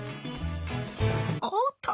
おっと！